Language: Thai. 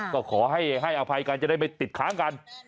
ก็ขอให้อภัยกันจะได้ไม่ติดค้างกัน